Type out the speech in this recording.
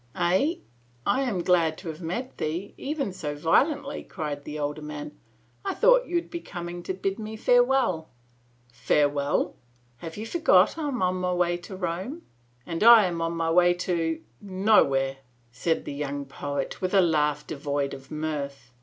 " Eh, I am glad to have met thee — even so violently," cried the older man. " I thought you would be coming to bid me farewell." " Farewell ?"" Have you forgot I am on my way to Rome ?"" And I am on my way to — nowhere," said the young 8 91 THE FAVOR OF KINGS poet, with a laugh devoid of mirth.